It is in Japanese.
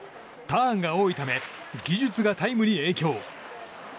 ターンが多いため技術がタイムに影響。